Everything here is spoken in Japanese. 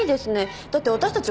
だって私たち